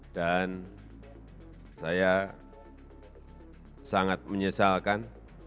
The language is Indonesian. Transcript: dan saya sangat menyesalkan